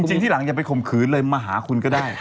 ที่หลังอย่าไปข่มขืนเลยมาหาคุณก็ได้